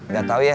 gak tau ya